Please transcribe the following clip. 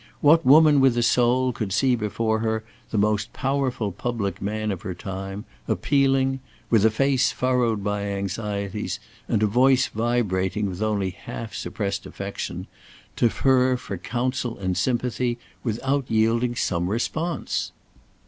What woman with a soul could see before her the most powerful public man of her time, appealing with a face furrowed by anxieties, and a voice vibrating with only half suppressed affection to her for counsel and sympathy, without yielding some response?